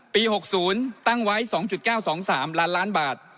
๖๐ตั้งไว้๒๙๒๓ล้านล้านบาท